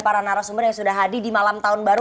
para narasumber yang sudah hadir di malam tahun baru